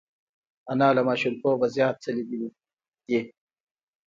انا له ماشومتوبه زیات څه لیدلي دي